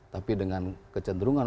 tapi dengan kecenderungan